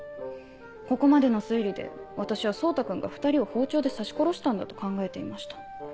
ここまでの推理で私は蒼汰君が２人を包丁で刺し殺したんだと考えていました。